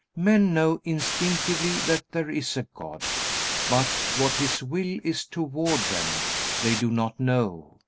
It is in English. Men know instinctively that there is a God. But what His will is toward them, they do not know.